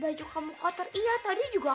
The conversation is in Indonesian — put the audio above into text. baju kamu kotor iya tadi juga kotor ya